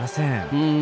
うん。